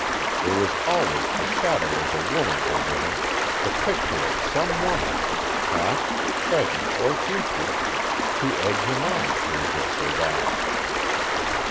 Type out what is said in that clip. There is always the shadow of a woman over him, the picture of some woman past, present, or future, to egg him on to this or that."